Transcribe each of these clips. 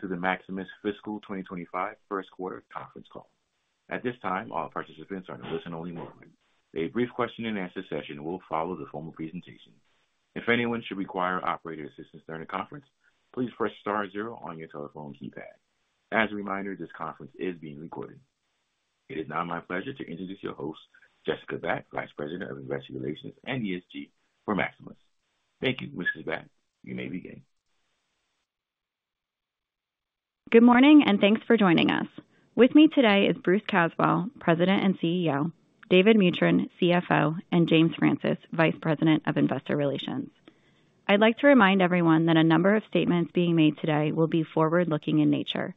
Greetings and welcome to the Maximus Fiscal 2025 Q1 Conference Call. At this time, all participants are in a listen-only mode. A brief question-and-answer session will follow the formal presentation. If anyone should require operator assistance during the conference, please press star zero on your telephone keypad. As a reminder, this conference is being recorded. It is now my pleasure to introduce your host, Jessica Batt, Vice President of Investor Relations and ESG for Maximus. Thank you, Mrs. Batt, you may begin. Good morning and thanks for joining us. With me today is Bruce Caswell, President and CEO, David Mutryn, CFO, and James Francis, Vice President of Investor Relations. I'd like to remind everyone that a number of statements being made today will be forward-looking in nature.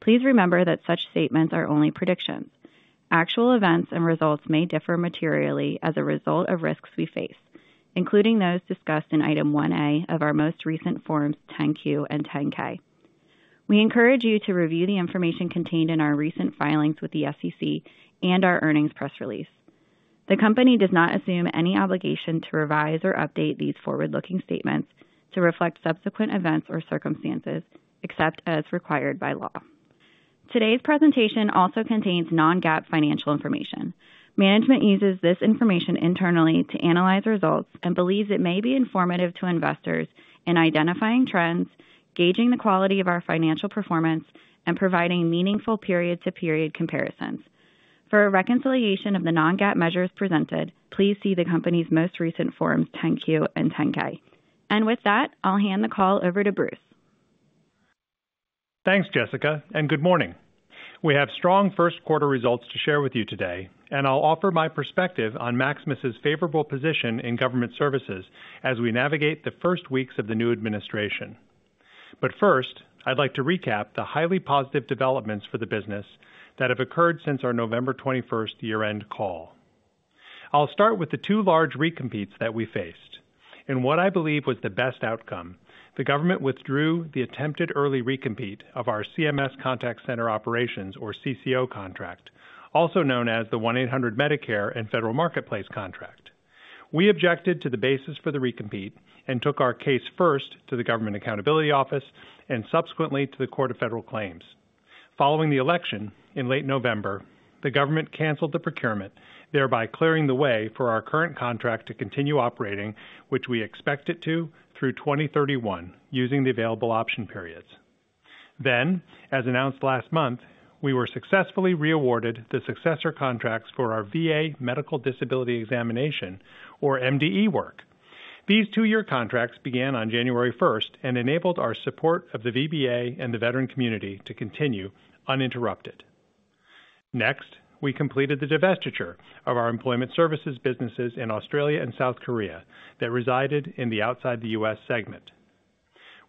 Please remember that such statements are only predictions. Actual events and results may differ materially as a result of risks we face, including those discussed in Item 1A of our most recent Forms 10-Q and 10-K. We encourage you to review the information contained in our recent filings with the SEC and our earnings press release. The company does not assume any obligation to revise or update these forward-looking statements to reflect subsequent events or circumstances, except as required by law. Today's presentation also contains non-GAAP financial information. Management uses this information internally to analyze results and believes it may be informative to investors in identifying trends, gauging the quality of our financial performance, and providing meaningful period-to-period comparisons. For a reconciliation of the non-GAAP measures presented, please see the company's most recent Forms 10-Q and 10-K. And with that, I'll hand the call over to Bruce. Thanks, Jessica, and good morning. We have strong Q1 results to share with you today, and I'll offer my perspective on Maximus' favorable position in government services as we navigate the first weeks of the new administration. But first, I'd like to recap the highly positive developments for the business that have occurred since our November 21st year-end call. I'll start with the two large recompetes that we faced. In what I believe was the best outcome, the government withdrew the attempted early recompete of our CMS Contact Center Operations, or CCO, contract, also known as the 1-800-MEDICARE and Federal Marketplace contract. We objected to the basis for the recompete and took our case first to the Government Accountability Office and subsequently to the Court of Federal Claims. Following the election in late November, the government canceled the procurement, thereby clearing the way for our current contract to continue operating, which we expect it to, through 2031 using the available option periods. Then, as announced last month, we were successfully reawarded the successor contracts for our VA Medical Disability Examination, or MDE work. These two-year contracts began on January 1st and enabled our support of the VBA and the veteran community to continue uninterrupted. Next, we completed the divestiture of our employment services businesses in Australia and South Korea that resided in the Outside the U.S. segment.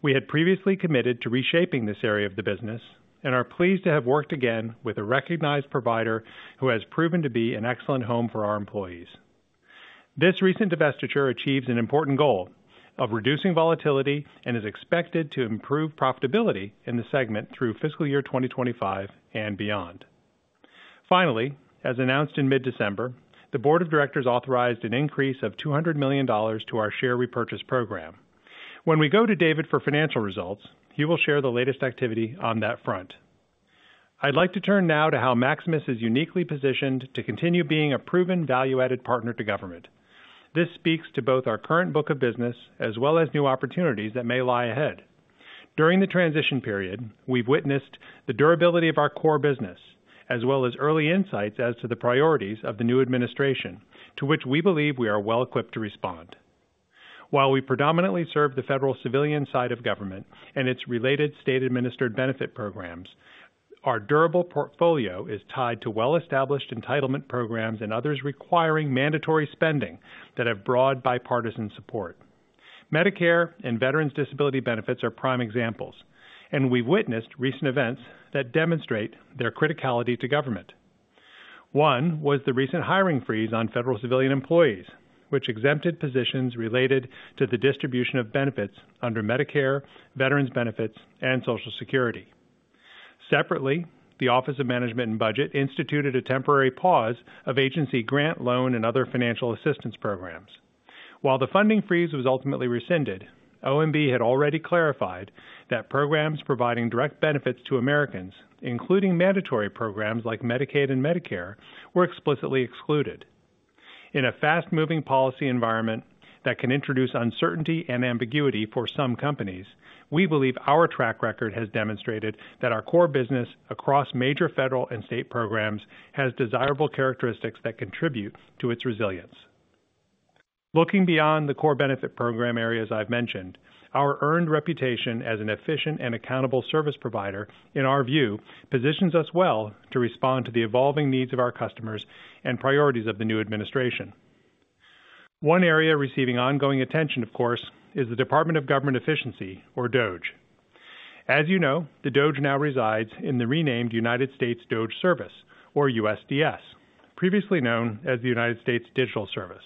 We had previously committed to reshaping this area of the business and are pleased to have worked again with a recognized provider who has proven to be an excellent home for our employees. This recent divestiture achieves an important goal of reducing volatility and is expected to improve profitability in the segment through fiscal year 2025 and beyond. Finally, as announced in mid-December, the Board of Directors authorized an increase of $200 million to our share repurchase program. When we go to David for financial results, he will share the latest activity on that front. I'd like to turn now to how Maximus is uniquely positioned to continue being a proven value-added partner to government. This speaks to both our current book of business as well as new opportunities that may lie ahead. During the transition period, we've witnessed the durability of our core business as well as early insights as to the priorities of the new administration, to which we believe we are well equipped to respond. While we predominantly serve the federal civilian side of government and its related state-administered benefit programs, our durable portfolio is tied to well-established entitlement programs and others requiring mandatory spending that have broad bipartisan support. Medicare and veterans' disability benefits are prime examples, and we've witnessed recent events that demonstrate their criticality to government. One was the recent hiring freeze on federal civilian employees, which exempted positions related to the distribution of benefits under Medicare, veterans' benefits, and Social Security. Separately, the Office of Management and Budget instituted a temporary pause of agency grant loan and other financial assistance programs. While the funding freeze was ultimately rescinded, OMB had already clarified that programs providing direct benefits to Americans, including mandatory programs like Medicaid and Medicare, were explicitly excluded. In a fast-moving policy environment that can introduce uncertainty and ambiguity for some companies, we believe our track record has demonstrated that our core business across major federal and state programs has desirable characteristics that contribute to its resilience. Looking beyond the core benefit program areas I've mentioned, our earned reputation as an efficient and accountable service provider, in our view, positions us well to respond to the evolving needs of our customers and priorities of the new administration. One area receiving ongoing attention, of course, is the Department of Government Efficiency, or DOGE. As you know, the DOGE now resides in the renamed United States DOGE Service, or USDS, previously known as the United States Digital Service.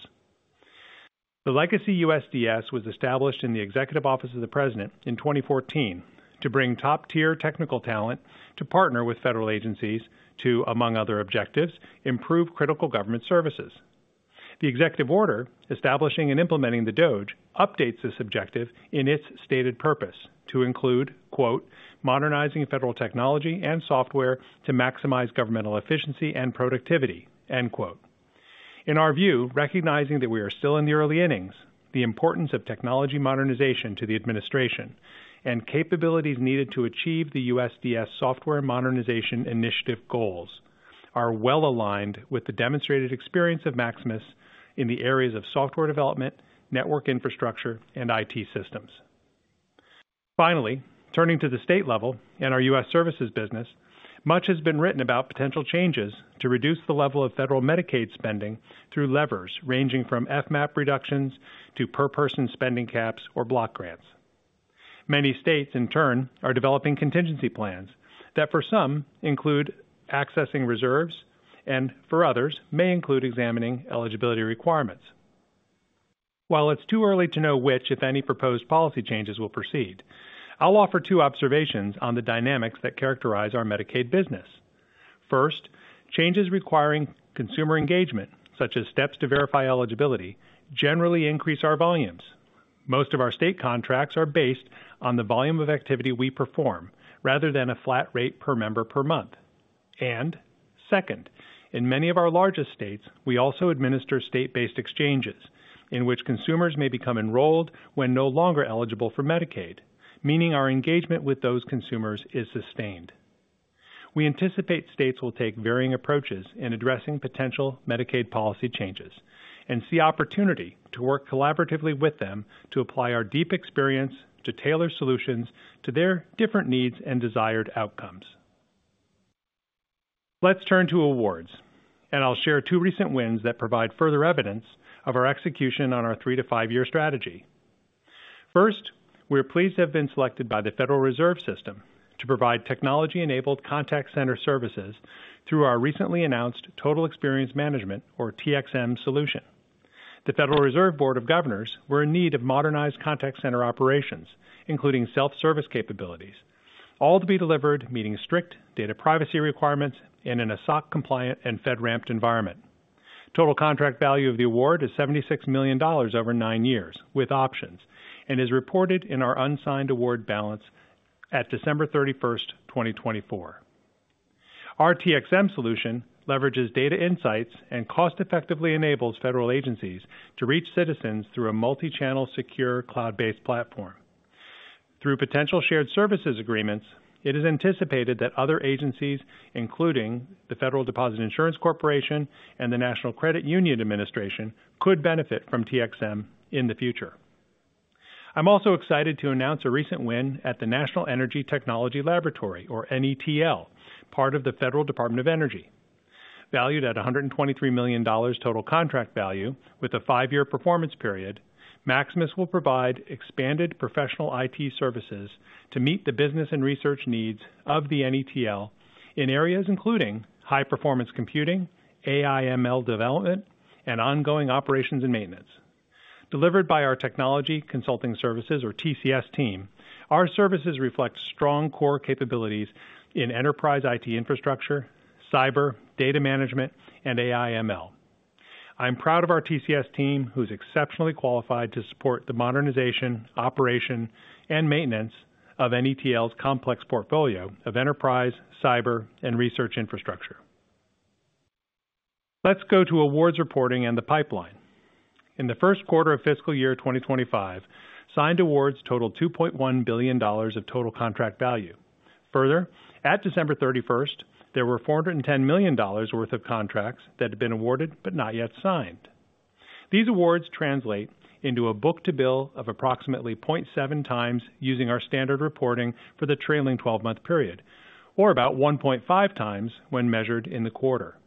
The legacy USDS was established in the Executive Office of the President in 2014 to bring top-tier technical talent to partner with federal agencies to, among other objectives, improve critical government services. The executive order establishing and implementing the DOGE updates this objective in its stated purpose to include, quote, "Modernizing federal technology and software to maximize governmental efficiency and productivity," end quote. In our view, recognizing that we are still in the early innings, the importance of technology modernization to the administration and capabilities needed to achieve the USDS software modernization initiative goals are well aligned with the demonstrated experience of Maximus in the areas of software development, network infrastructure, and IT systems. Finally, turning to the state level and our U.S. services business, much has been written about potential changes to reduce the level of federal Medicaid spending through levers ranging from FMAP reductions to per-person spending caps or block grants. Many states, in turn, are developing contingency plans that, for some, include accessing reserves and, for others, may include examining eligibility requirements. While it's too early to know which, if any, proposed policy changes will proceed, I'll offer two observations on the dynamics that characterize our Medicaid business. First, changes requiring consumer engagement, such as steps to verify eligibility, generally increase our volumes. Most of our state contracts are based on the volume of activity we perform rather than a flat rate per member per month. And, second, in many of our largest states, we also administer state-based exchanges in which consumers may become enrolled when no longer eligible for Medicaid, meaning our engagement with those consumers is sustained. We anticipate states will take varying approaches in addressing potential Medicaid policy changes and see opportunity to work collaboratively with them to apply our deep experience to tailor solutions to their different needs and desired outcomes. Let's turn to awards, and I'll share two recent wins that provide further evidence of our execution on our three-to-five-year strategy. First, we're pleased to have been selected by the Federal Reserve System to provide technology-enabled contact center services through our recently announced Total Experience Management, or TXM Solution. The Federal Reserve Board of Governors were in need of modernized contact center operations, including self-service capabilities, all to be delivered, meeting strict data privacy requirements and in a SOC-compliant and FedRAMP environment. Total contract value of the award is $76 million over nine years, with options, and is reported in our unsigned award balance at December 31st, 2024. Our TXM solution leverages data insights and cost-effectively enables federal agencies to reach citizens through a multi-channel, secure, cloud-based platform. Through potential shared services agreements, it is anticipated that other agencies, including the Federal Deposit Insurance Corporation and the National Credit Union Administration, could benefit from TXM in the future. I'm also excited to announce a recent win at the National Energy Technology Laboratory, or NETL, part of the U.S. Department of Energy. Valued at $123 million total contract value, with a five-year performance period, Maximus will provide expanded professional IT services to meet the business and research needs of the NETL in areas including high-performance computing, AI/ML development, and ongoing operations and maintenance. Delivered by our Technology Consulting Services, or TCS, team, our services reflect strong core capabilities in enterprise IT infrastructure, cyber, data management, and AI/ML. I'm proud of our TCS team, who's exceptionally qualified to support the modernization, operation, and maintenance of NETL's complex portfolio of enterprise, cyber, and research infrastructure. Let's go to awards reporting and the pipeline. In the Q1 of fiscal year 2025, signed awards totaled $2.1 billion of total contract value. Further, at December 31st, there were $410 million worth of contracts that had been awarded but not yet signed. These awards translate into a book-to-bill of approximately 0.7 times using our standard reporting for the trailing 12-month period, or about 1.5 times when measured in the quarter.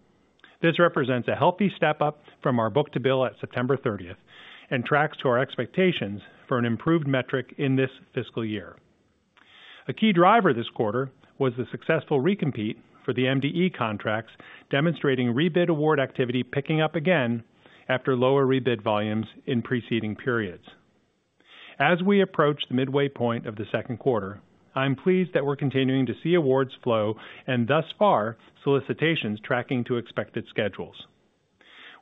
This represents a healthy step up from our book-to-bill at September 30th and tracks to our expectations for an improved metric in this fiscal year. A key driver this quarter was the successful recompete for the MDE contracts, demonstrating rebid award activity picking up again after lower rebid volumes in preceding periods. As we approach the midway point of the Q2, I'm pleased that we're continuing to see awards flow and, thus far, solicitations tracking to expected schedules.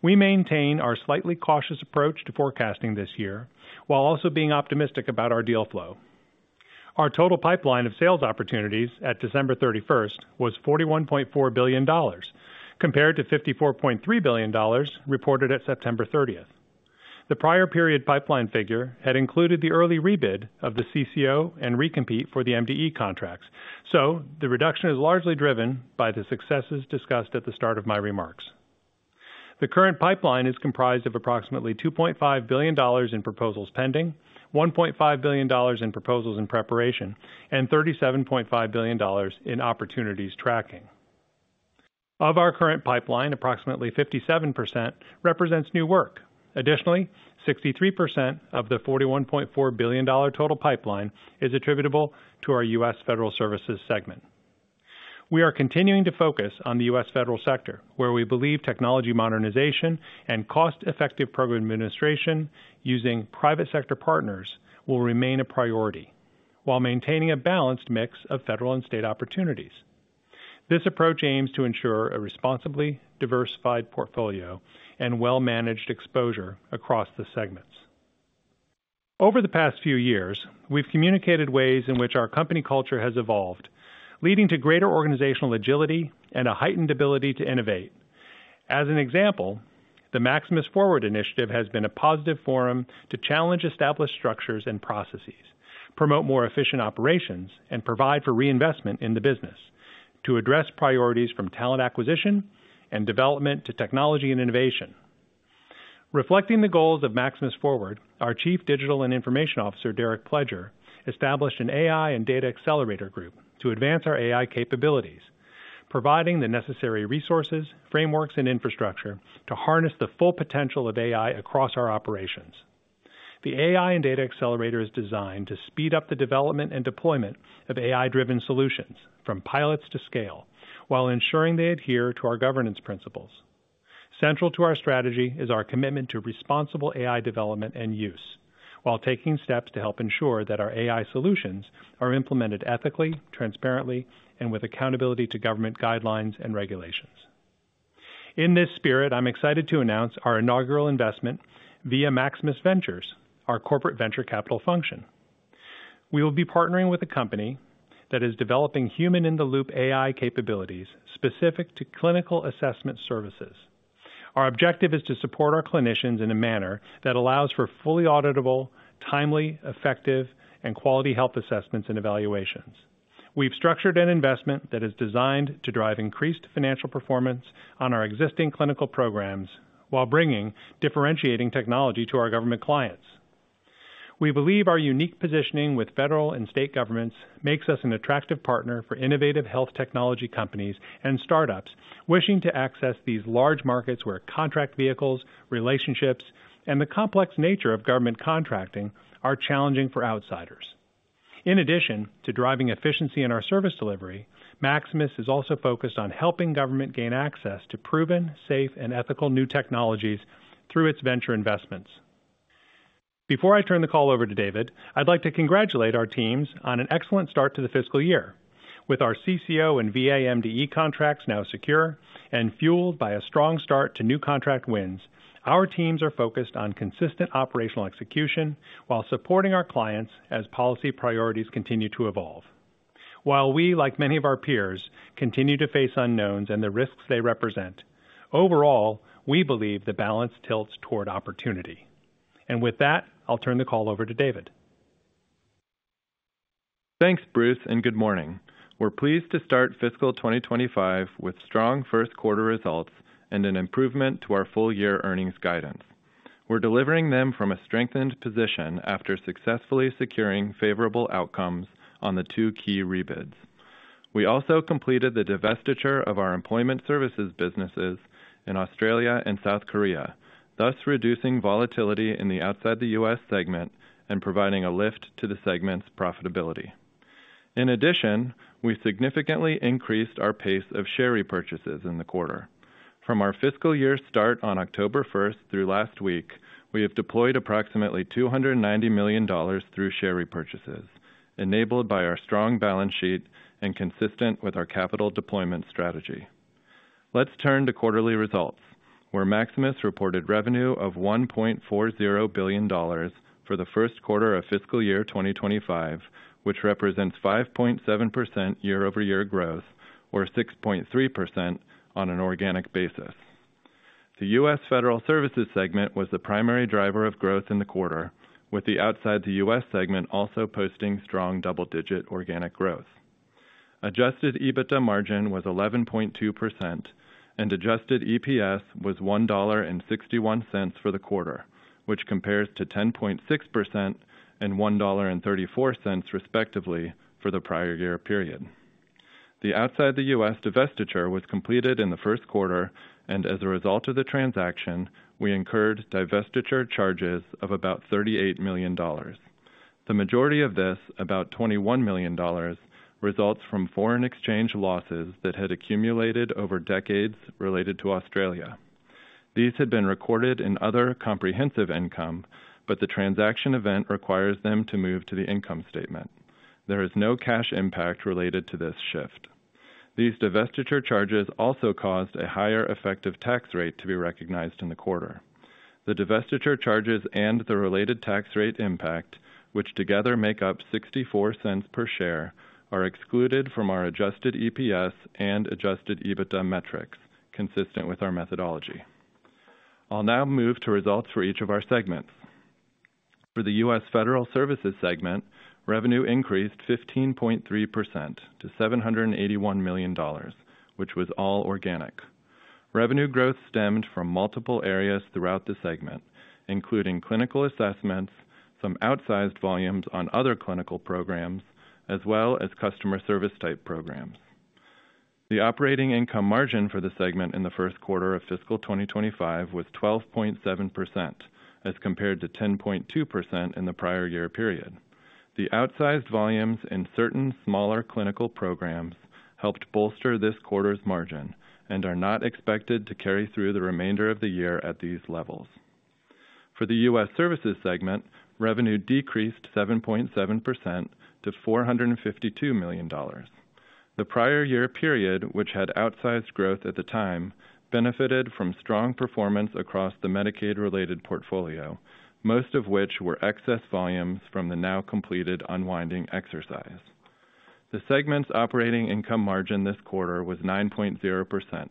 We maintain our slightly cautious approach to forecasting this year while also being optimistic about our deal flow. Our total pipeline of sales opportunities at December 31st was $41.4 billion, compared to $54.3 billion reported at September 30th. The prior period pipeline figure had included the early rebid of the CCO and recompete for the MDE contracts, so the reduction is largely driven by the successes discussed at the start of my remarks. The current pipeline is comprised of approximately $2.5 billion in proposals pending, $1.5 billion in proposals in preparation, and $37.5 billion in opportunities tracking. Of our current pipeline, approximately 57% represents new work. Additionally, 63% of the $41.4 billion total pipeline is attributable to our U.S. Federal Services segment. We are continuing to focus on the U.S. federal sector, where we believe technology modernization and cost-effective program administration using private sector partners will remain a priority while maintaining a balanced mix of federal and state opportunities. This approach aims to ensure a responsibly diversified portfolio and well-managed exposure across the segments. Over the past few years, we've communicated ways in which our company culture has evolved, leading to greater organizational agility and a heightened ability to innovate. As an example, the Maximus Forward initiative has been a positive forum to challenge established structures and processes, promote more efficient operations, and provide for reinvestment in the business to address priorities from talent acquisition and development to technology and innovation. Reflecting the goals of Maximus Forward, our Chief Digital and Information Officer, Derrick Pledger, established an AI and Data Accelerator group to advance our AI capabilities, providing the necessary resources, frameworks, and infrastructure to harness the full potential of AI across our operations. The AI and Data Accelerator is designed to speed up the development and deployment of AI-driven solutions from pilots to scale while ensuring they adhere to our governance principles. Central to our strategy is our commitment to responsible AI development and use while taking steps to help ensure that our AI solutions are implemented ethically, transparently, and with accountability to government guidelines and regulations. In this spirit, I'm excited to announce our inaugural investment via Maximus Ventures, our corporate venture capital function. We will be partnering with a company that is developing human-in-the-loop AI capabilities specific to clinical assessment services. Our objective is to support our clinicians in a manner that allows for fully auditable, timely, effective, and quality health assessments and evaluations. We've structured an investment that is designed to drive increased financial performance on our existing clinical programs while bringing differentiating technology to our government clients. We believe our unique positioning with federal and state governments makes us an attractive partner for innovative health technology companies and startups wishing to access these large markets where contract vehicles, relationships, and the complex nature of government contracting are challenging for outsiders. In addition to driving efficiency in our service delivery, Maximus is also focused on helping government gain access to proven, safe, and ethical new technologies through its venture investments. Before I turn the call over to David, I'd like to congratulate our teams on an excellent start to the fiscal year. With our CCO and VA MDE contracts now secure and fueled by a strong start to new contract wins, our teams are focused on consistent operational execution while supporting our clients as policy priorities continue to evolve. While we, like many of our peers, continue to face unknowns and the risks they represent, overall, we believe the balance tilts toward opportunity, and with that, I'll turn the call over to David. Thanks, Bruce, and good morning. We're pleased to start fiscal 2025 with strong Q1 results and an improvement to our full-year earnings guidance. We're delivering them from a strengthened position after successfully securing favorable outcomes on the two key rebids. We also completed the divestiture of our employment services businesses in Australia and South Korea, thus reducing volatility in the outside the U.S. segment and providing a lift to the segment's profitability. In addition, we've significantly increased our pace of share repurchases in the quarter. From our fiscal year start on October 1st through last week, we have deployed approximately $290 million through share repurchases, enabled by our strong balance sheet and consistent with our capital deployment strategy. Let's turn to quarterly results, where Maximus reported revenue of $1.40 billion for the Q1 of fiscal year 2025, which represents 5.7% year-over-year growth, or 6.3% on an organic basis. The U.S. Federal Services segment was the primary driver of growth in the quarter, with the Outside the U.S. segment also posting strong double-digit organic growth. Adjusted EBITDA margin was 11.2%, and adjusted EPS was $1.61 for the quarter, which compares to 10.6% and $1.34, respectively, for the prior year period. The Outside the U.S. divestiture was completed in the Q1, and as a result of the transaction, we incurred divestiture charges of about $38 million. The majority of this, about $21 million, results from foreign exchange losses that had accumulated over decades related to Australia. These had been recorded in other comprehensive income, but the transaction event requires them to move to the income statement. There is no cash impact related to this shift. These divestiture charges also caused a higher effective tax rate to be recognized in the quarter. The divestiture charges and the related tax rate impact, which together make up $0.64 per share, are excluded from our adjusted EPS and adjusted EBITDA metrics, consistent with our methodology. I'll now move to results for each of our segments. For the U.S. Federal Services segment, revenue increased 15.3% to $781 million, which was all organic. Revenue growth stemmed from multiple areas throughout the segment, including clinical assessments, some outsized volumes on other clinical programs, as well as customer service-type programs. The operating income margin for the segment in the Q1 of fiscal 2025 was 12.7%, as compared to 10.2% in the prior year period. The outsized volumes in certain smaller clinical programs helped bolster this quarter's margin and are not expected to carry through the remainder of the year at these levels. For the U.S. Services segment, revenue decreased 7.7% to $452 million. The prior year period, which had outsized growth at the time, benefited from strong performance across the Medicaid-related portfolio, most of which were excess volumes from the now-completed unwinding exercise. The segment's operating income margin this quarter was 9.0%,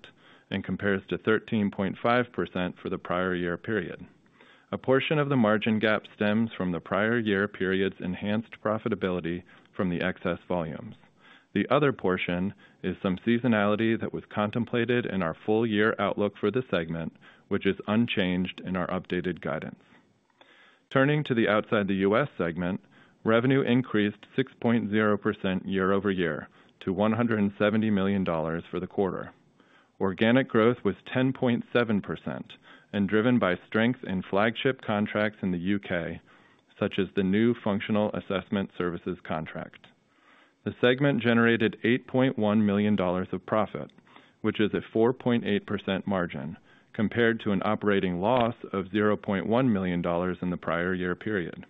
and compares to 13.5% for the prior year period. A portion of the margin gap stems from the prior year period's enhanced profitability from the excess volumes. The other portion is some seasonality that was contemplated in our full-year outlook for the segment, which is unchanged in our updated guidance. Turning to the Outside the U.S. segment, revenue increased 6.0% year-over-year to $170 million for the quarter. Organic growth was 10.7% and driven by strength in flagship contracts in the U.K., such as the new Functional Assessment Services contract. The segment generated $8.1 million of profit, which is a 4.8% margin, compared to an operating loss of $0.1 million in the prior year period.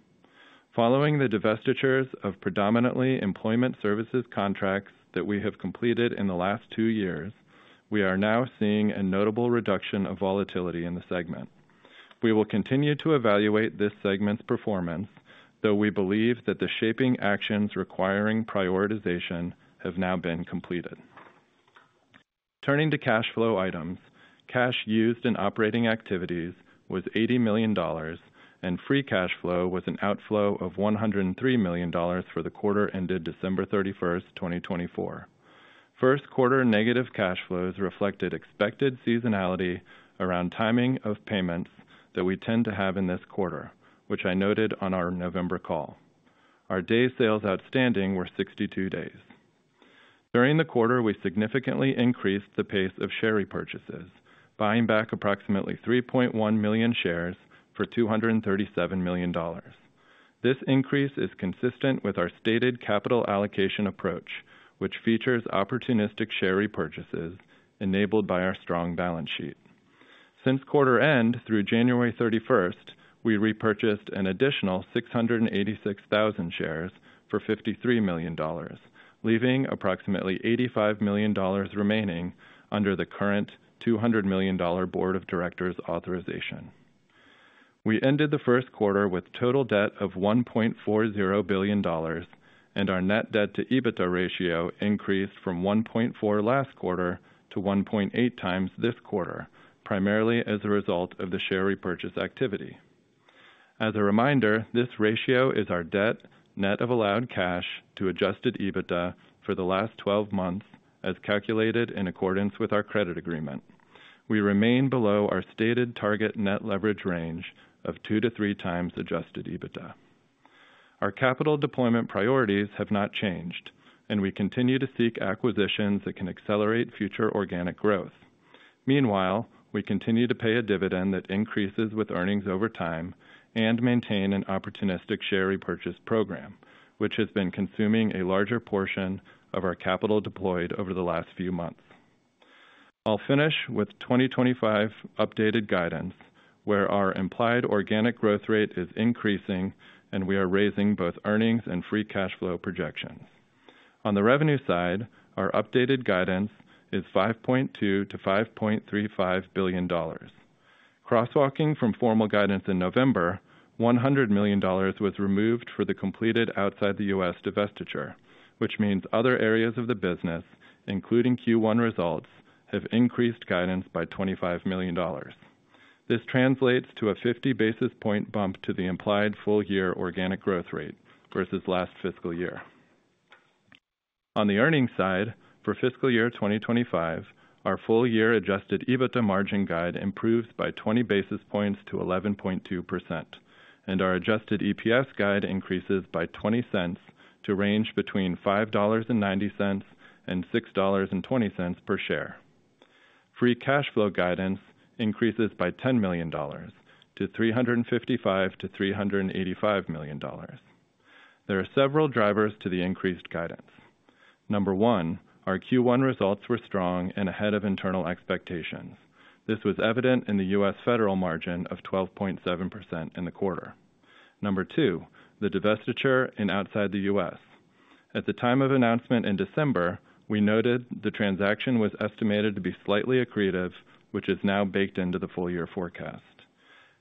Following the divestitures of predominantly employment services contracts that we have completed in the last two years, we are now seeing a notable reduction of volatility in the segment. We will continue to evaluate this segment's performance, though we believe that the shaping actions requiring prioritization have now been completed. Turning to cash flow items, cash used in operating activities was $80 million, and free cash flow was an outflow of $103 million for the quarter ended December 31st, 2024. Q1 negative cash flows reflected expected seasonality around timing of payments that we tend to have in this quarter, which I noted on our November call. Our Days Sales Outstanding were 62 days. During the quarter, we significantly increased the pace of share repurchases, buying back approximately 3.1 million shares for $237 million. This increase is consistent with our stated capital allocation approach, which features opportunistic share repurchases enabled by our strong balance sheet. Since quarter end through January 31st, we repurchased an additional 686,000 shares for $53 million, leaving approximately $85 million remaining under the current $200 million Board of Directors authorization. We ended the Q1 with total debt of $1.40 billion, and our net debt-to-EBITDA ratio increased from 1.4 last quarter to 1.8 times this quarter, primarily as a result of the share repurchase activity. As a reminder, this ratio is our debt net of allowed cash to adjusted EBITDA for the last 12 months, as calculated in accordance with our credit agreement. We remain below our stated target net leverage range of 2-3 times adjusted EBITDA. Our capital deployment priorities have not changed, and we continue to seek acquisitions that can accelerate future organic growth. Meanwhile, we continue to pay a dividend that increases with earnings over time and maintain an opportunistic share repurchase program, which has been consuming a larger portion of our capital deployed over the last few months. I'll finish with 2025 updated guidance, where our implied organic growth rate is increasing, and we are raising both earnings and free cash flow projections. On the revenue side, our updated guidance is $5.2-$5.35 billion. Cross-walking from formal guidance in November, $100 million was removed for the completed Outside the U.S. divestiture, which means other areas of the business, including Q1 results, have increased guidance by $25 million. This translates to a 50 basis point bump to the implied full-year organic growth rate versus last fiscal year. On the earnings side, for fiscal year 2025, our full-year adjusted EBITDA margin guide improves by 20 basis points to 11.2%, and our adjusted EPS guide increases by $0.20 to range between $5.90 and $6.20 per share. Free cash flow guidance increases by $10 million to $355 million-$385 million. There are several drivers to the increased guidance. Number one, our Q1 results were strong and ahead of internal expectations. This was evident in the U.S. federal margin of 12.7% in the quarter. Number two, the divestiture outside the U.S. At the time of announcement in December, we noted the transaction was estimated to be slightly accretive, which is now baked into the full-year forecast.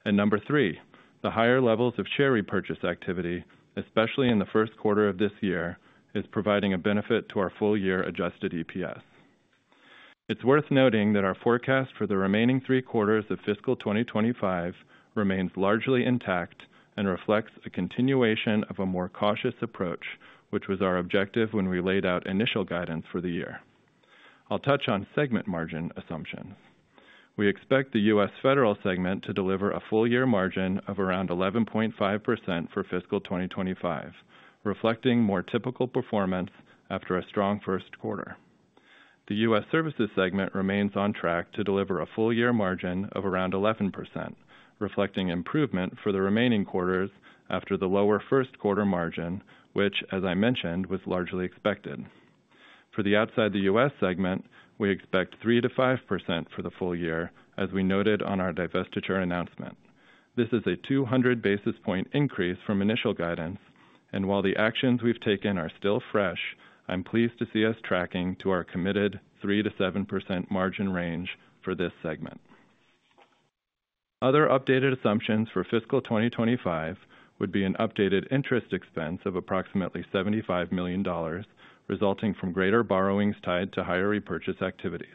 And number three, the higher levels of share repurchase activity, especially in the Q1 of this year, is providing a benefit to our full-year adjusted EPS. It's worth noting that our forecast for the remaining three quarters of fiscal 2025 remains largely intact and reflects a continuation of a more cautious approach, which was our objective when we laid out initial guidance for the year. I'll touch on segment margin assumptions. We expect the U.S. Federal segment to deliver a full-year margin of around 11.5% for fiscal 2025, reflecting more typical performance after a strong Q1. The U.S. Services segment remains on track to deliver a full-year margin of around 11%, reflecting improvement for the remaining quarters after the lower Q1 margin, which, as I mentioned, was largely expected. For the Outside the U.S. segment, we expect 3%-5% for the full year, as we noted on our divestiture announcement. This is a 200 basis point increase from initial guidance, and while the actions we've taken are still fresh, I'm pleased to see us tracking to our committed 3%-7% margin range for this segment. Other updated assumptions for fiscal 2025 would be an updated interest expense of approximately $75 million, resulting from greater borrowings tied to higher repurchase activities.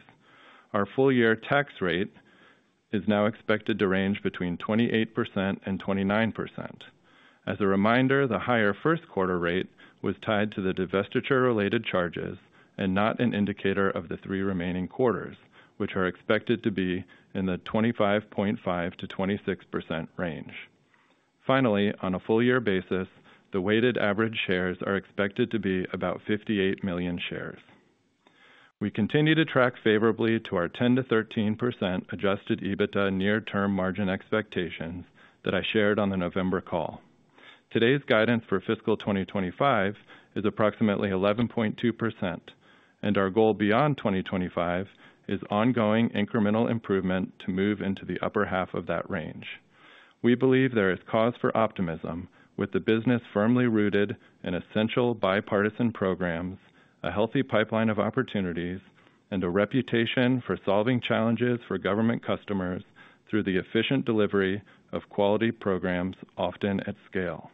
Our full-year tax rate is now expected to range between 28% and 29%. As a reminder, the higher Q1 rate was tied to the divestiture-related charges and not an indicator of the three remaining quarters, which are expected to be in the 25.5%-26% range. Finally, on a full-year basis, the weighted average shares are expected to be about 58 million shares. We continue to track favorably to our 10%-13% adjusted EBITDA near-term margin expectations that I shared on the November call. Today's guidance for fiscal 2025 is approximately 11.2%, and our goal beyond 2025 is ongoing incremental improvement to move into the upper half of that range. We believe there is cause for optimism, with the business firmly rooted in essential bipartisan programs, a healthy pipeline of opportunities, and a reputation for solving challenges for government customers through the efficient delivery of quality programs, often at scale.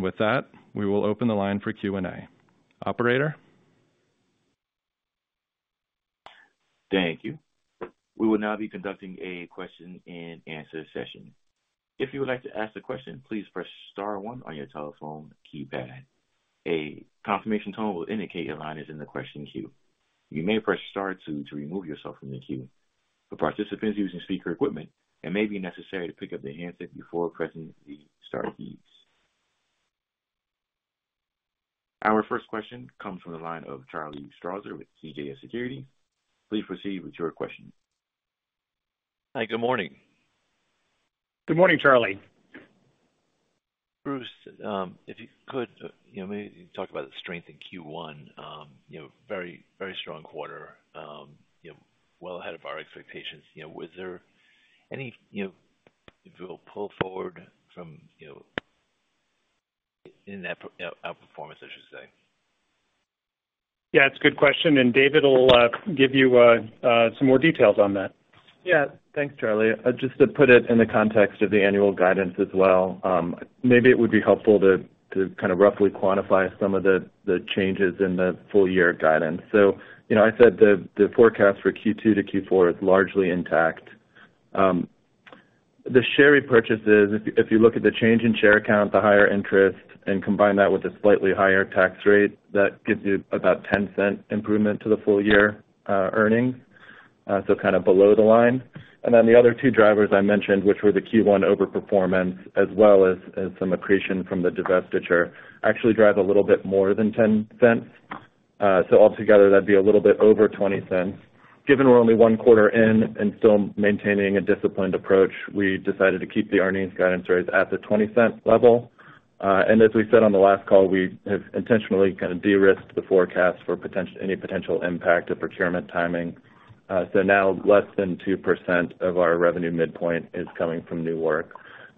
With that, we will open the line for Q&A. Operator? Thank you. We will now be conducting a question-and-answer session. If you would like to ask a question, please press Star 1 on your telephone keypad. A confirmation tone will indicate your line is in the question queue. You may press Star 2 to remove yourself from the queue. For participants using speaker equipment, it may be necessary to pick up the handset before pressing the Star keys. Our first question comes from the line of Charlie Strauzer with CJS Securities. Please proceed with your question. Hi. Good morning. Good morning, Charlie. Bruce, if you could, maybe talk about the strength in Q1. Very, very strong quarter, well ahead of our expectations. Was there any pull forward in that outperformance, I should say? Yeah, it's a good question, and David will give you some more details on that. Yeah. Thanks, Charlie. Just to put it in the context of the annual guidance as well, maybe it would be helpful to kind of roughly quantify some of the changes in the full-year guidance. I said the forecast for Q2 to Q4 is largely intact. The share repurchases, if you look at the change in share count, the higher interest, and combine that with a slightly higher tax rate, that gives you about $0.10 improvement to the full-year earnings, so kind of below the line. Then the other two drivers I mentioned, which were the Q1 overperformance as well as some accretion from the divestiture, actually drive a little bit more than $0.10. Altogether, that'd be a little bit over $0.20. Given we're only one quarter in and still maintaining a disciplined approach, we decided to keep the earnings guidance range at the $0.20 level. And as we said on the last call, we have intentionally kind of de-risked the forecast for any potential impact of procurement timing. So now less than 2% of our revenue midpoint is coming from new work.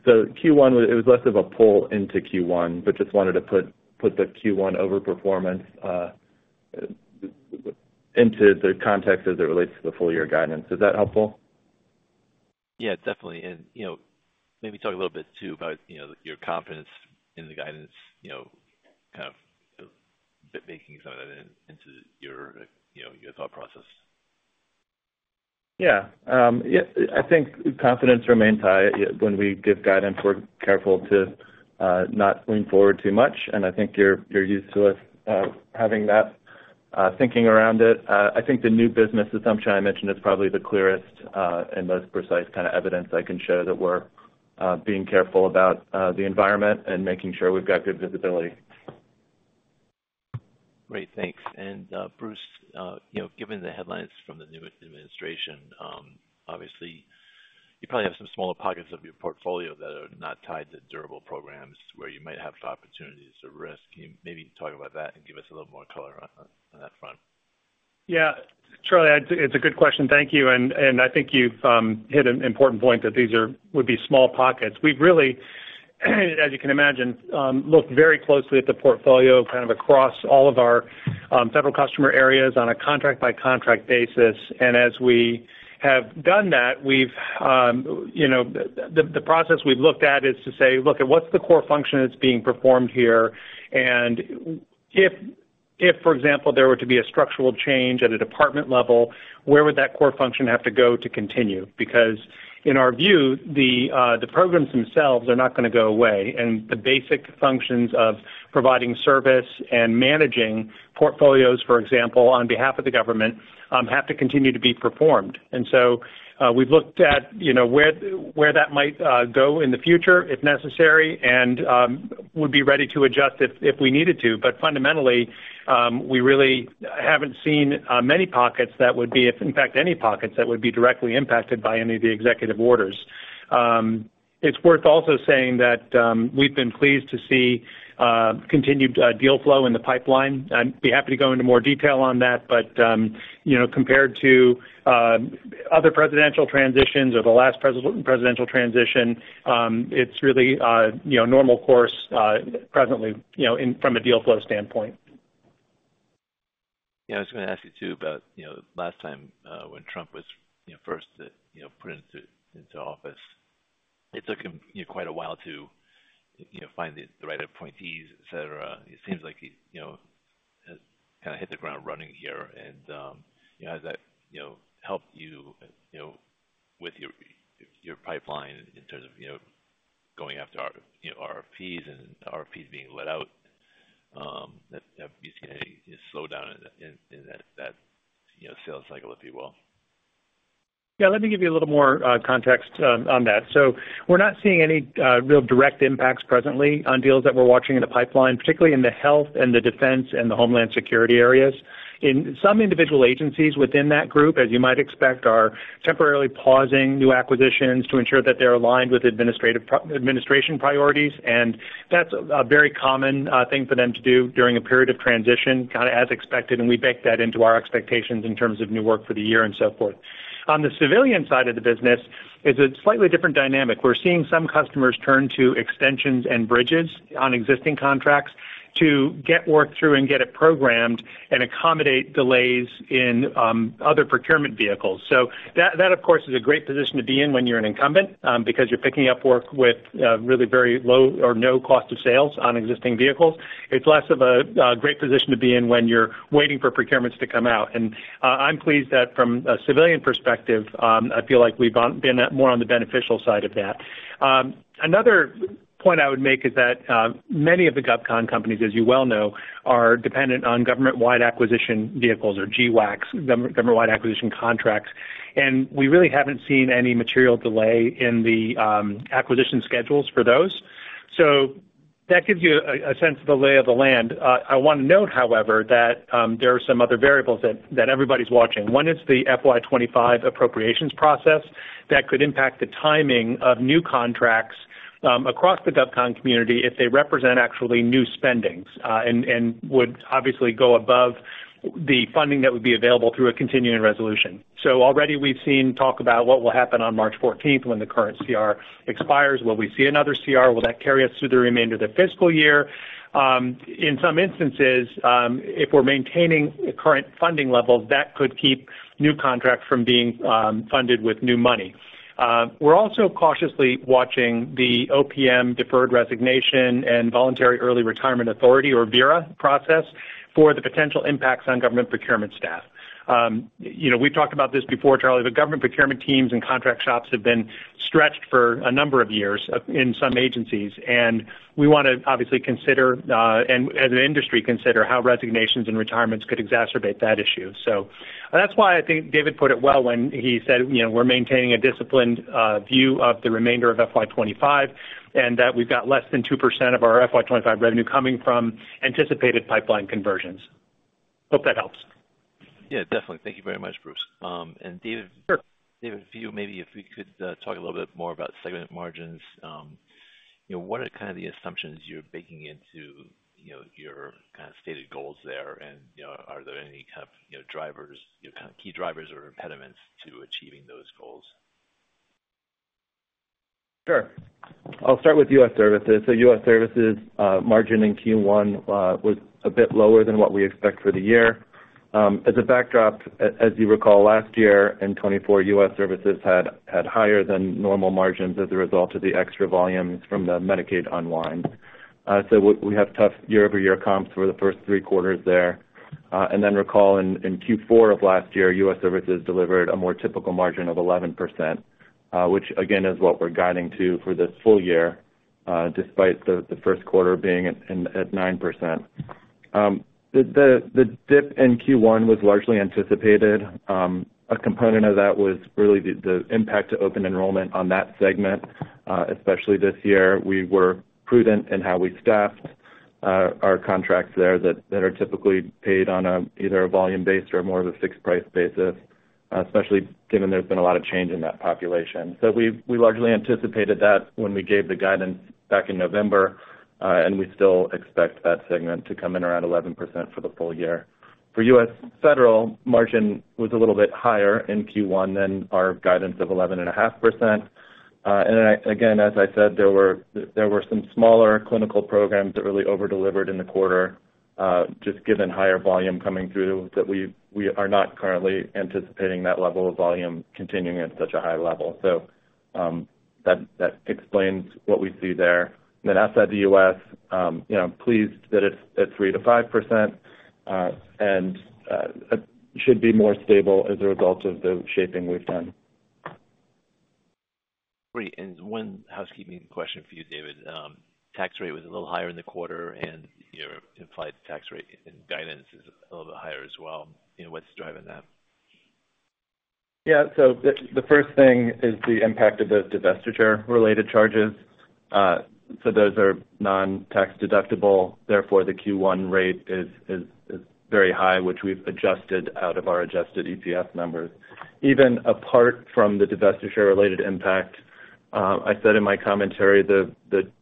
So Q1, it was less of a pull into Q1, but just wanted to put the Q1 overperformance into the context as it relates to the full-year guidance. Is that helpful? Yeah, definitely. And maybe talk a little bit too about your confidence in the guidance, kind of making some of that into your thought process. Yeah. I think confidence remains high. When we give guidance, we're careful to not lean forward too much, and I think you're used to us having that thinking around it. I think the new business assumption I mentioned is probably the clearest and most precise kind of evidence I can show that we're being careful about the environment and making sure we've got good visibility. Great. Thanks. And Bruce, given the headlines from the new administration, obviously, you probably have some smaller pockets of your portfolio that are not tied to durable programs where you might have opportunities at risk. Maybe talk about that and give us a little more color on that front. Yeah. Charlie, it's a good question. Thank you. And I think you've hit an important point that these would be small pockets. We've really, as you can imagine, looked very closely at the portfolio kind of across all of our federal customer areas on a contract-by-contract basis. And as we have done that, the process we've looked at is to say, "Look, what's the core function that's being performed here?" And if, for example, there were to be a structural change at a department level, where would that core function have to go to continue? Because in our view, the programs themselves are not going to go away, and the basic functions of providing service and managing portfolios, for example, on behalf of the government, have to continue to be performed. And so we've looked at where that might go in the future if necessary and would be ready to adjust if we needed to. But fundamentally, we really haven't seen many pockets that would be, in fact, any pockets that would be directly impacted by any of the executive orders. It's worth also saying that we've been pleased to see continued deal flow in the pipeline. I'd be happy to go into more detail on that, but compared to other presidential transitions or the last presidential transition, it's really normal course presently from a deal flow standpoint. Yeah. I was going to ask you too about last time when Trump was first put into office. It took him quite a while to find the right appointees, etc. It seems like he kind of hit the ground running here and has that helped you with your pipeline in terms of going after RFPs and RFPs being let out? Have you seen any slowdown in that sales cycle, if you will? Yeah. Let me give you a little more context on that so we're not seeing any real direct impacts presently on deals that we're watching in the pipeline, particularly in the health and the defense and the homeland security areas. Some individual agencies within that group, as you might expect, are temporarily pausing new acquisitions to ensure that they're aligned with administration priorities, and that's a very common thing for them to do during a period of transition, kind of as expected, and we baked that into our expectations in terms of new work for the year and so forth. On the civilian side of the business, it's a slightly different dynamic. We're seeing some customers turn to extensions and bridges on existing contracts to get work through and get it programmed and accommodate delays in other procurement vehicles, so that, of course, is a great position to be in when you're an incumbent because you're picking up work with really very low or no cost of sales on existing vehicles. It's less of a great position to be in when you're waiting for procurements to come out. I'm pleased that from a civilian perspective, I feel like we've been more on the beneficial side of that. Another point I would make is that many of the GovCon companies, as you well know, are dependent on government-wide acquisition vehicles or GWACs, government-wide acquisition contracts. We really haven't seen any material delay in the acquisition schedules for those. That gives you a sense of the lay of the land. I want to note, however, that there are some other variables that everybody's watching. One is the FY 2025 appropriations process that could impact the timing of new contracts across the GovCon community if they represent actually new spendings and would obviously go above the funding that would be available through a continuing resolution. Already we've seen talk about what will happen on March 14th when the current CR expires. Will we see another CR? Will that carry us through the remainder of the fiscal year? In some instances, if we're maintaining current funding levels, that could keep new contracts from being funded with new money. We're also cautiously watching the OPM, Deferred Resignation and Voluntary Early Retirement Authority, or VERA process for the potential impacts on government procurement staff. We've talked about this before, Charlie, but government procurement teams and contract shops have been stretched for a number of years in some agencies. And we want to obviously consider, and as an industry, consider how resignations and retirements could exacerbate that issue. So that's why I think David put it well when he said, "We're maintaining a disciplined view of the remainder of FY 2025 and that we've got less than 2% of our FY 2025 revenue coming from anticipated pipeline conversions." Hope that helps. Yeah, definitely. Thank you very much, Bruce. David, David, if you maybe if we could talk a little bit more about segment margins, what are kind of the assumptions you're baking into your kind of stated goals there? And are there any kind of drivers, kind of key drivers or impediments to achieving those goals? Sure. I'll start with U.S. Services. So U.S. Services margin in Q1 was a bit lower than what we expect for the year. As a backdrop, as you recall, last year in 2024, U.S. Services had higher than normal margins as a result of the extra volumes from the Medicaid unwind. So we have tough year-over-year comps for the first three quarters there. And then recall in Q4 of last year, U.S. Services delivered a more typical margin of 11%, which again is what we're guiding to for this full year, despite the Q1 being at 9%. The dip in Q1 was largely anticipated. A component of that was really the impact to Open Enrollment on that segment, especially this year. We were prudent in how we staffed our contracts there that are typically paid on either a volume-based or more of a fixed-price basis, especially given there's been a lot of change in that population. So we largely anticipated that when we gave the guidance back in November, and we still expect that segment to come in around 11% for the full year. For U.S. federal, margin was a little bit higher in Q1 than our guidance of 11.5%. And again, as I said, there were some smaller clinical programs that really overdelivered in the quarter, just given higher volume coming through, that we are not currently anticipating that level of volume continuing at such a high level. So that explains what we see there. Then, outside the U.S., pleased. At 3%-5% and should be more stable as a result of the shaping we've done. Great. And one housekeeping question for you, David. Tax rate was a little higher in the quarter, and implied tax rate and guidance is a little bit higher as well. What's driving that? Yeah. So the first thing is the impact of the divestiture-related charges. So those are non-tax deductible. Therefore, the Q1 rate is very high, which we've adjusted out of our adjusted EPS numbers. Even apart from the divestiture-related impact, I said in my commentary the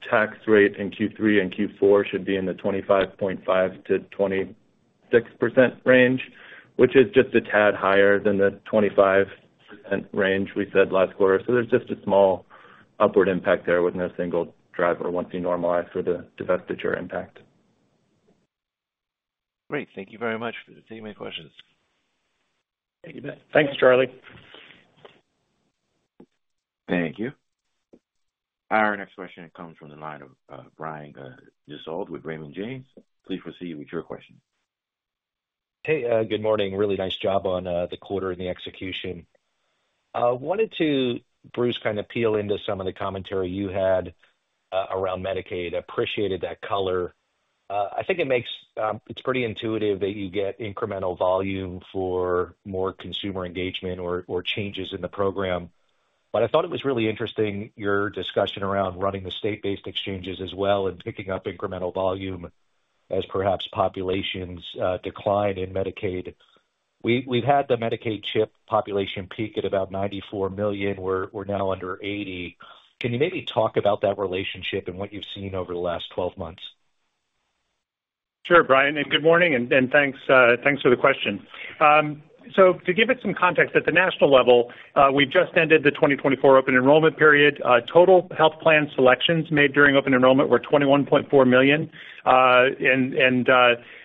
tax rate in Q3 and Q4 should be in the 25.5%-26% range, which is just a tad higher than the 25% range we said last quarter. So there's just a small upward impact there with no single driver once you normalize for the divestiture impact. Great. Thank you very much for taking my questions. Thank you, Matt. Thanks, Charlie. Thank you. Our next question comes from the line of Brian Gesuale with Raymond James. Please proceed with your question. Hey, good morning. Really nice job on the quarter and the execution. Wanted to, Bruce, kind of peel into some of the commentary you had around Medicaid. Appreciated that color. I think it's pretty intuitive that you get incremental volume for more consumer engagement or changes in the program. But I thought it was really interesting your discussion around running the state-based exchanges as well and picking up incremental volume as perhaps populations decline in Medicaid. We've had the Medicaid CHIP population peak at about 94 million. We're now under 80. Can you maybe talk about that relationship and what you've seen over the last 12 months? Sure, Brian. And good morning, and thanks for the question. So to give it some context, at the national level, we've just ended the 2024 Open Enrollment period. Total health plan selections made during Open Enrollment were 21.4 million, and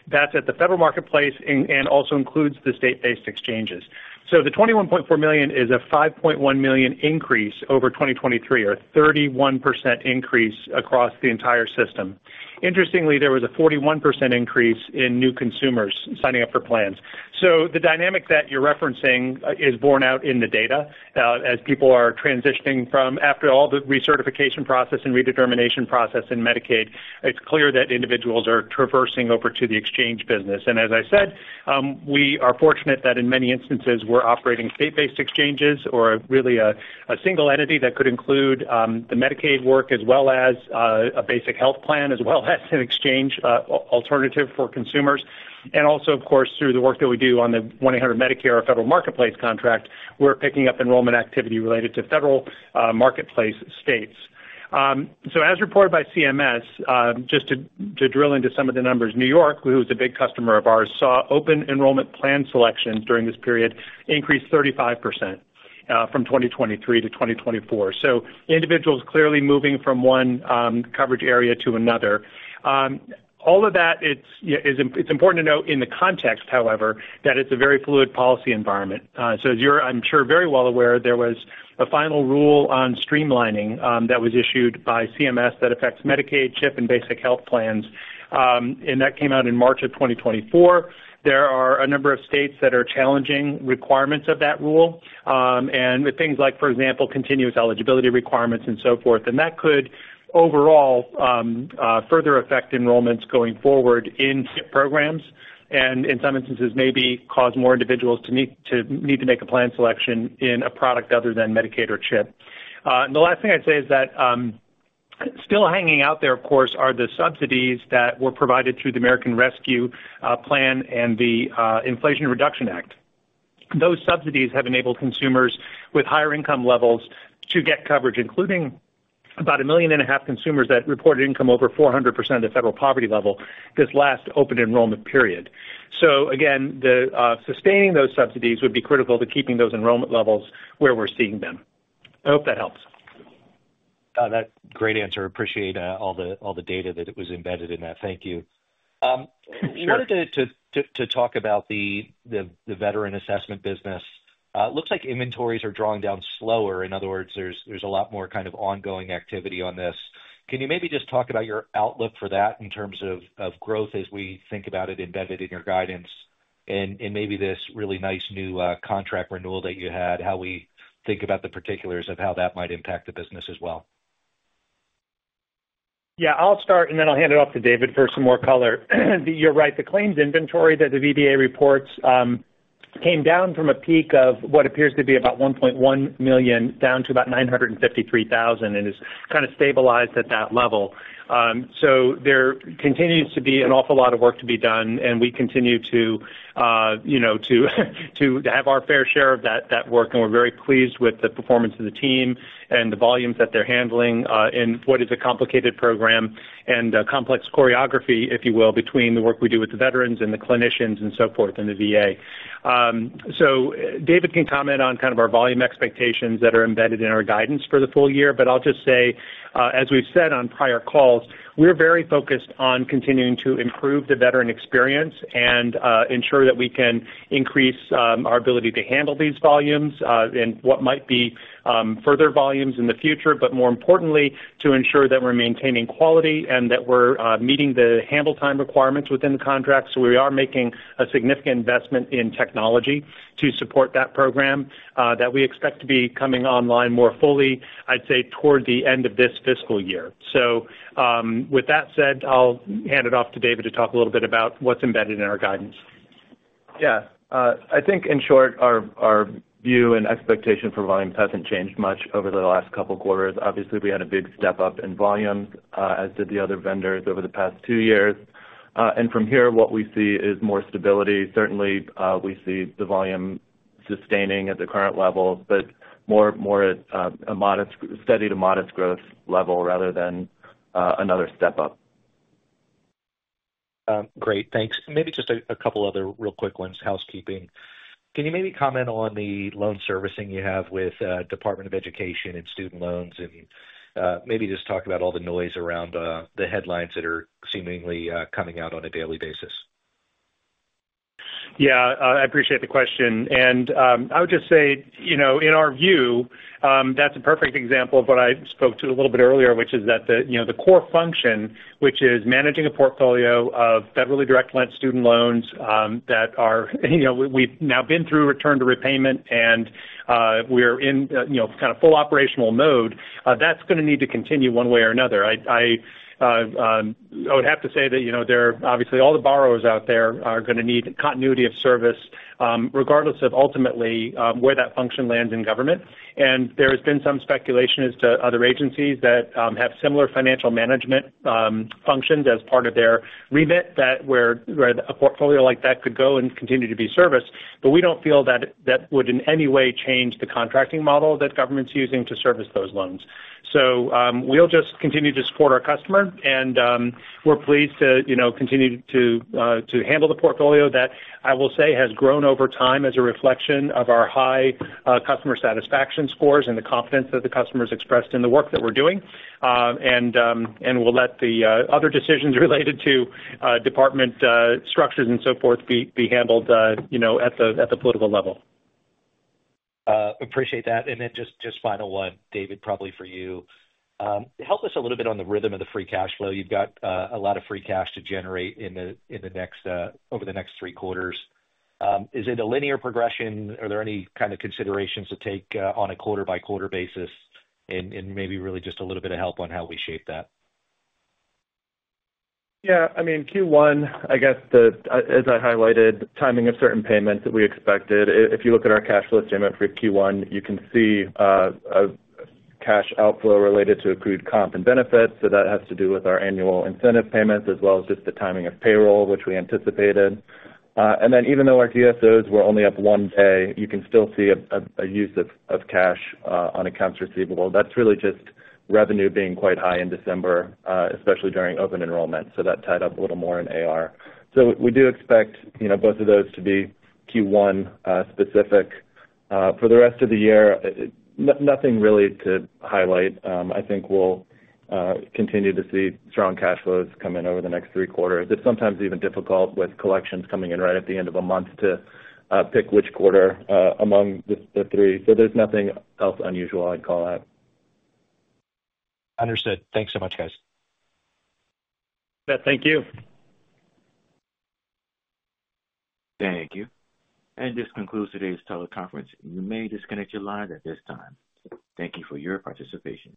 that's at the federal marketplace and also includes the state-based exchanges. So the 21.4 million is a 5.1 million increase over 2023, a 31% increase across the entire system. Interestingly, there was a 41% increase in new consumers signing up for plans. So the dynamic that you're referencing is borne out in the data. As people are transitioning from, after all, the recertification process and redetermination process in Medicaid, it's clear that individuals are traversing over to the exchange business. And as I said, we are fortunate that in many instances, we're operating state-based exchanges or really a single entity that could include the Medicaid work as well as a basic health plan as well as an exchange alternative for consumers. And also, of course, through the work that we do on the 1-800-MEDICARE or Federal Marketplace contract, we're picking up enrollment activity related to federal marketplace states. So as reported by CMS, just to drill into some of the numbers, New York, who is a big customer of ours, saw Open Enrollment plan selections during this period increase 35% from 2023 to 2024. So individuals clearly moving from one coverage area to another. All of that, it's important to note in the context, however, that it's a very fluid policy environment. So as you're, I'm sure, very well aware, there was a final rule on streamlining that was issued by CMS that affects Medicaid, CHIP, and Basic Health Plans. And that came out in March of 2024. There are a number of states that are challenging requirements of that rule and with things like, for example, continuous eligibility requirements and so forth. And that could overall further affect enrollments going forward in CHIP programs and, in some instances, maybe cause more individuals to need to make a plan selection in a product other than Medicaid or CHIP. And the last thing I'd say is that still hanging out there, of course, are the subsidies that were provided through the American Rescue Plan and the Inflation Reduction Act. Those subsidies have enabled consumers with higher income levels to get coverage, including about 1.5 million consumers that reported income over 400% of the federal poverty level this last Open Enrollment period. So again, sustaining those subsidies would be critical to keeping those enrollment levels where we're seeing them. I hope that helps. That's a great answer. Appreciate all the data that was embedded in that. Thank you. I wanted to talk about the veteran assessment business. Looks like inventories are drawing down slower. In other words, there's a lot more kind of ongoing activity on this. Can you maybe just talk about your outlook for that in terms of growth as we think about it embedded in your guidance and maybe this really nice new contract renewal that you had, how we think about the particulars of how that might impact the business as well? Yeah. I'll start, and then I'll hand it off to David for some more color. You're right. The claims inventory that the VBA reports came down from a peak of what appears to be about 1.1 million down to about 953,000 and has kind of stabilized at that level, so there continues to be an awful lot of work to be done, and we continue to have our fair share of that work, and we're very pleased with the performance of the team and the volumes that they're handling in what is a complicated program and complex choreography, if you will, between the work we do with the veterans and the clinicians and so forth in the VA. David can comment on kind of our volume expectations that are embedded in our guidance for the full year. But I'll just say, as we've said on prior calls, we're very focused on continuing to improve the veteran experience and ensure that we can increase our ability to handle these volumes and what might be further volumes in the future. But more importantly, to ensure that we're maintaining quality and that we're meeting the handle time requirements within the contract. So we are making a significant investment in technology to support that program that we expect to be coming online more fully, I'd say, toward the end of this fiscal year. So with that said, I'll hand it off to David to talk a little bit about what's embedded in our guidance. Yeah. I think, in short, our view and expectation for volumes hasn't changed much over the last couple of quarters. Obviously, we had a big step up in volumes, as did the other vendors, over the past two years, and from here, what we see is more stability. Certainly, we see the volume sustaining at the current level, but more at a steady to modest growth level rather than another step up. Great. Thanks. Maybe just a couple other real quick ones, housekeeping. Can you maybe comment on the loan servicing you have with the Department of Education and student loans and maybe just talk about all the noise around the headlines that are seemingly coming out on a daily basis? Yeah. I appreciate the question. I would just say, in our view, that's a perfect example of what I spoke to a little bit earlier, which is that the core function, which is managing a portfolio of Federally Direct Lent Student Loans that we've now been through Return to Repayment and we're in kind of full operational mode, that's going to need to continue one way or another. I would have to say that obviously all the borrowers out there are going to need continuity of service, regardless of ultimately where that function lands in government. There has been some speculation as to other agencies that have similar financial management functions as part of their remit where a portfolio like that could go and continue to be serviced. We don't feel that that would in any way change the contracting model that government's using to service those loans. We'll just continue to support our customer, and we're pleased to continue to handle the portfolio that I will say has grown over time as a reflection of our high customer satisfaction scores and the confidence that the customers expressed in the work that we're doing. And we'll let the other decisions related to department structures and so forth be handled at the political level. Appreciate that. And then just final one, David, probably for you. Help us a little bit on the rhythm of the free cash flow. You've got a lot of free cash to generate over the next three quarters. Is it a linear progression? Are there any kind of considerations to take on a quarter-by-quarter basis and maybe really just a little bit of help on how we shape that? Yeah. I mean, Q1, I guess, as I highlighted, timing of certain payments that we expected. If you look at our cash flow statement for Q1, you can see cash outflow related to accrued comp and benefits. So that has to do with our annual incentive payments as well as just the timing of payroll, which we anticipated. And then even though our DSOs were only up one day, you can still see a use of cash on accounts receivable. That's really just revenue being quite high in December, especially during Open Enrollment. So we do expect both of those to be Q1 specific. For the rest of the year, nothing really to highlight. I think we'll continue to see strong cash flows come in over the next three quarters. It's sometimes even difficult with collections coming in right at the end of a month to pick which quarter among the three. So there's nothing else unusual, I'd call that. Understood. Thanks so much, guys. Matt, thank you. Thank you. And this concludes today's teleconference. You may disconnect your lines at this time. Thank you for your participation.